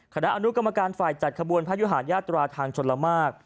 คณะอนุกรรมการฝ่ายจัดขบวนพระยุหารยาตราทางชนละมาก